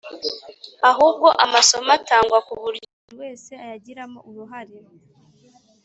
Ahubwo amasomo atangwa ku buryo buri wese ayagiramo uruhare